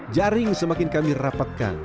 jaring semakin kami rapatkan